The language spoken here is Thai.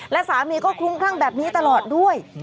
และสามีก็คลุ้มคลั่งแบบนี้ตลอดด้วย